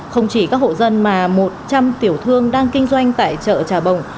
không chỉ các hộ dân mà một trăm linh tiểu thương đang kinh doanh tại chợ trà bồng